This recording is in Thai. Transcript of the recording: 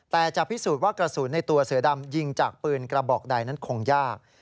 แต่จะพิสูจน์ว่ากระสุนในตัวเสือดำยิงจากปืนกระบอกใดนั้นคงยาก